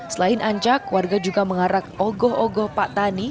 selain ancak warga juga mengarak ogoh ogoh pak tani